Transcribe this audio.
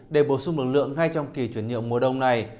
để bổ sung lực lượng ngay trong kỳ chuyển nhượng mùa đông này